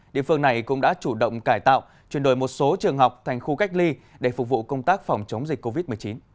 địa phương này cũng đã chủ động cải tạo chuyển đổi một số trường học thành khu cách ly để phục vụ công tác phòng chống dịch covid một mươi chín